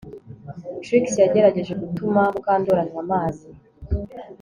Trix yagerageje gutuma Mukandoli anywa amazi